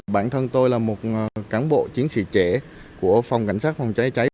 bản thân tôi là một cán bộ chiến sĩ trẻ của phòng cảnh sát phòng cháy cháy